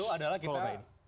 ya itu adalah kita